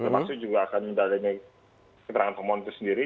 termasuk juga akan mendalami keterangan pemohon itu sendiri